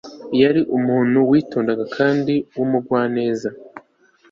yari umuntu witonda kandi w'umugwaneza